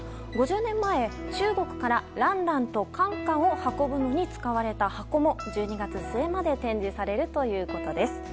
５０年前、中国からランランとカンカンを運ぶのに使われた箱も、１２月末まで展示されるということです。